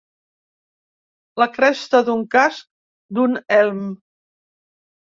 La cresta d'un casc, d'un elm.